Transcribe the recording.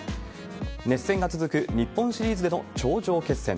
熱戦が続く日本シリーズでの頂上決戦。